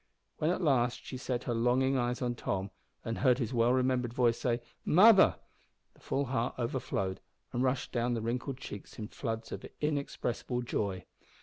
When at last she set her longing eyes on Tom, and heard his well remembered voice say, "Mother!" the full heart overflowed and rushed down the wrinkled cheeks in floods of inexpressible joy.